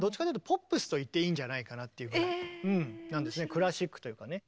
クラシックというかね。